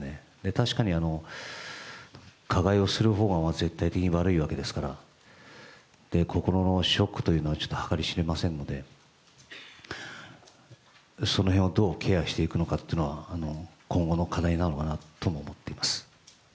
確かに、加害をする方が絶対的に悪いわけですから、心のショックというのは計り知れませんので、その辺をどうケアしていくのかというのは今後の課題なのかなとも思っています。